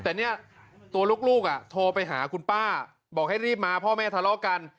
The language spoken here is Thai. แต่เนี่ยตัวลูกโทรไปหาคุณป้าบอกให้รีบมาพ่อแม่ทะเลาะกัน